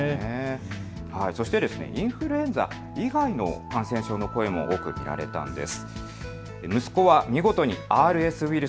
そしてインフルエンザ以外の感染症の声も多く見られたんです。